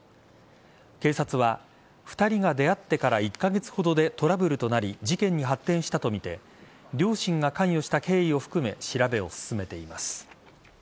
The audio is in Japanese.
警察は、２人が出会ってから１カ月ほどでトラブルとなり事件に発展したとみて両親が関与した経緯を含め調べを進めています。